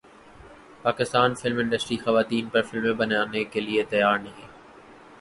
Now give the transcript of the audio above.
Pakistan film industry خواتین پر فلمیں بنانے کیلئے تیار نہیں